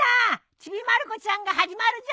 『ちびまる子ちゃん』が始まるじょ。